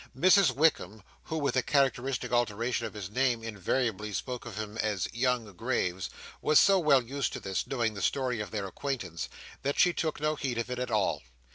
Mrs Wickam (who, with a characteristic alteration of his name, invariably spoke of him as "Young Graves") was so well used to this, knowing the story of their acquaintance, that she took no heed of it at all.